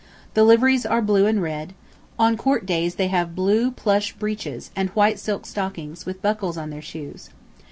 The liveries are blue and red; on Court Days they have blue plush breeches, and white silk stockings, with buckles on their shoes.